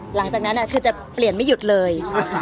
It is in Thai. หลังจากนั้นคือจะเปลี่ยนไม่หยุดเลย